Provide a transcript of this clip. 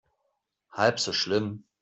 Halb so schlimm.